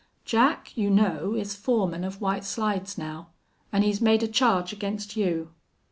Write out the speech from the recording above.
"Jack, you know, is foreman of White Slides now. An' he's made a charge against you."